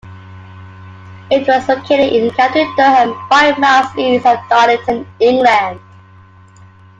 It was located in County Durham, five miles east of Darlington, England.